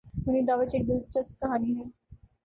ونی داوچ ایک دلچسپ کہانی ہے۔